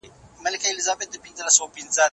د مطالعې کلتور د غیرت او پوهې اساس دی.